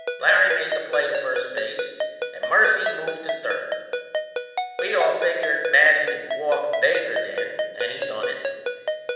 Larry made the play to first base and Murphy moved to third. We all figured Matty'd walk Baker then, and he done it.